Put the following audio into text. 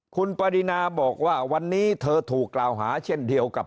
คุณปรินาบอกว่าวันนี้เธอถูกกล่าวหาเช่นเดียวกับ